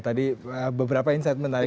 tadi beberapa insight menarik